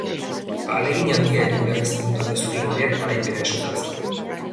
Ahalegin handia egin behar izan du talde zuri-gorriak garaipena eskuratzeko.